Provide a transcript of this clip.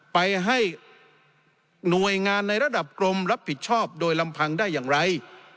ไปให้หน่วยงานในระดับกรมรับผิดชอบโดยลำพังได้อย่างไร